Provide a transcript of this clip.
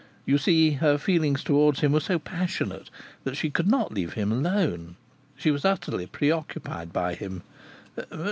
You see her feelings towards him were so passionate that she could not leave him alone. She was utterly preoccupied by him.